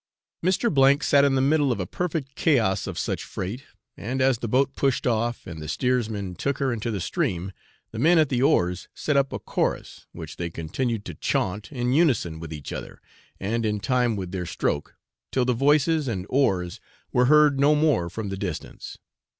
Mr. sat in the middle of a perfect chaos of such freight; and as the boat pushed off, and the steersman took her into the stream, the men at the oars set up a chorus, which they continued to chaunt in unison with each other, and in time with their stroke, till the voices and oars were heard no more from the distance.